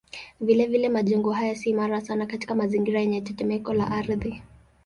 Vilevile majengo haya si imara sana katika mazingira yenye tetemeko la ardhi.